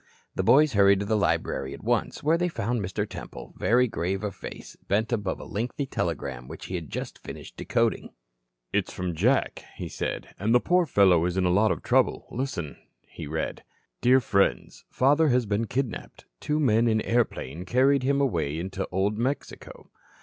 The boys hurried to the library at once, where they found Mr. Temple, very grave of face, bent above a lengthy telegram which he had just finished decoding. "It's from Jack," he said, "And the poor fellow is in a lot of trouble. Listen." He read: "Dear Friends, Father has been kidnapped. Two men in airplane carried him away into Old Mexico.